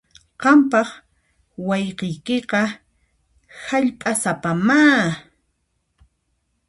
Qampaq wayqiykiqa hallp'asapamá.